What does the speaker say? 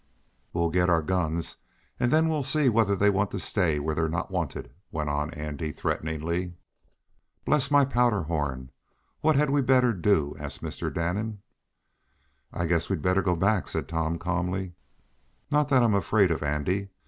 "We'll get our guns, and then we'll see whether they'll want to stay where they're not wanted!" went on Andy, threateningly. "Bless my powderhorn! What had we better do?" asked Mr. Damon. "I guess we'd better go back," said Tom calmly. "Not that I'm afraid of Andy.